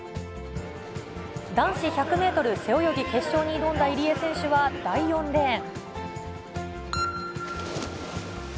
男子１００メートル背泳ぎ決勝に挑んだ入江選手は、第４レーン。